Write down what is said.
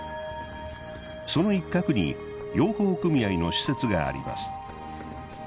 その一角に養蜂組合の施設があります。